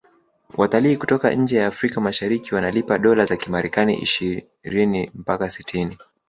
watalii kutoka nje ya afrika mashariki wanalipa dola za kimarekani ishini mpaka sitini